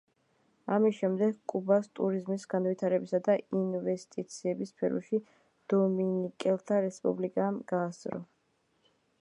ამის შემდეგ, კუბას ტურიზმის, განვითარებისა და ინვესტიციების სფეროში დომინიკელთა რესპუბლიკამ გაასწრო.